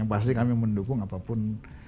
yang pasti kami mendukung apapun